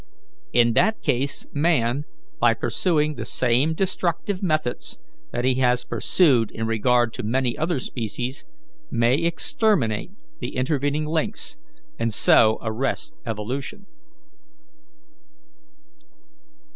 In that case man, by pursuing the same destructive methods that he has pursued in regard to many other species, may exterminate the intervening links, and so arrest evolution."